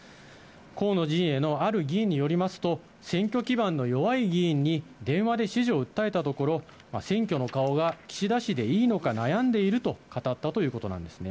河野陣営のある議員によりますと、選挙基盤の弱い議員に電話で支持を訴えたところ、選挙の顔が岸田氏でいいのか悩んでいると語ったということなんですね。